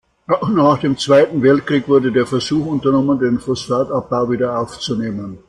Auch nach dem Zweiten Weltkrieg wurde der Versuch unternommen, den Phosphatabbau wieder aufzunehmen.